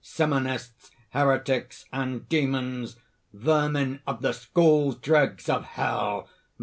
simonists, heretics and demons! vermin of the schools! dregs of hell!